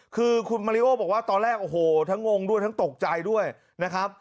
คือคุณมาริโอบอกว่าตอนแรกโอ้โหทั้งงงด้วยทั้งตกใจด้วยนะครับ